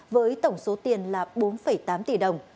với tổng số tiền là bốn tám tỷ đồng